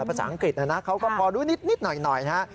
ภาษาอังกฤษนะเขาก็พอรู้นิดหน่อยนะฮะ